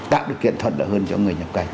tạo điều kiện thuận lợi hơn cho người nhập cảnh